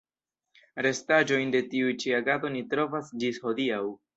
Restaĵojn de tiu ĉi agado ni trovas ĝis hodiaŭ.